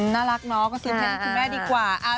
น่ารักเนาะก็ซื้อเพลงคุณแม่ดีกว่า